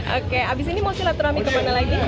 oke abis ini mau silaturahmi kemana lagi